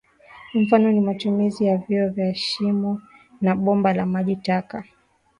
Mfano ni matumizi ya vyoo vya shimo na bomba la maji taka